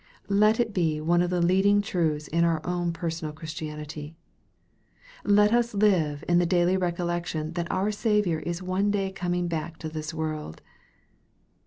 Let it be one of the leading truths in our own personal Christianity. Let us live in the daily recollection that our Saviour is one day coming back to this world.